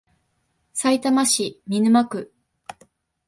さいたま市見沼区